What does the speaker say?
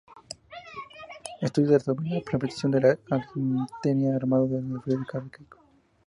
Estudio sobre la representación de la Atenea armada en el periodo arcaico.